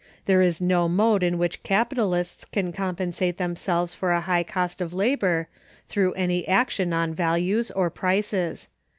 There is no mode in which capitalists can compensate themselves for a high cost of labor, through any action on values or prices.